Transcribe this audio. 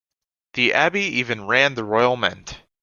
The Abbey even ran the Royal Mint.